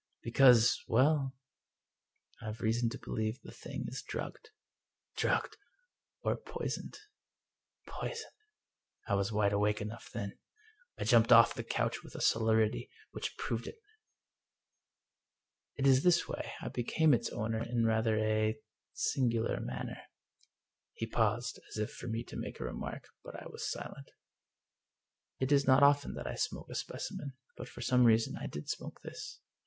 "" Because — well, I've reason to believe the thing is drugged." "Drugged!" " Or poisoned." " Poisoned !" I was wide awake enough then. I jumped off the couch with a celerity which proved it. 225 English Mystery Stories It is this vray. I became its owner in rather a sin gular manner." He paused, as if for me to make a remark; but I was silent. " It is not often that I smoke a specimen, butj for some reason, I did smoke this.